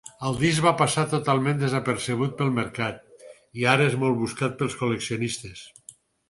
El disc va passar totalment desapercebut pel mercat, i ara és molt buscat per col·leccionistes.